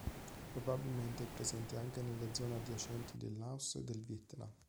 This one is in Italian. Probabilmente è presente anche nelle zone adiacenti del Laos e del Vietnam.